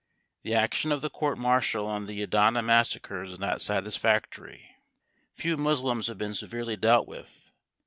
The action of the court martial on the Adana massacres is not satisfactory. Few Moslems have been severely dealt with.